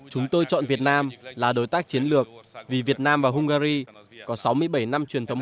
chúng tôi chọn việt nam là đối tác chiến lược vì việt nam và hungary có sáu mươi bảy năm truyền thống